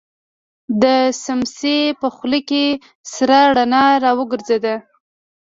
د سمڅې په خوله کې سره رڼا را وګرځېده.